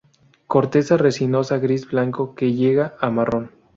Corteza resinosa gris-blanco que llega a marrón.